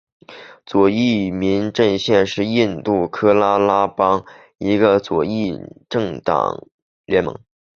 左翼民主阵线是印度喀拉拉邦的一个左翼政党联盟。